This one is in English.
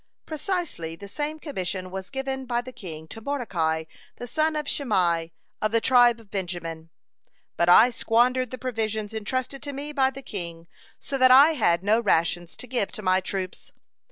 Precisely the same commission was given by the king to Mordecai, the son of Shimei of the tribe of Benjamin. But I squandered the provisions entrusted to me by the king, so that I had no rations to give to my troops.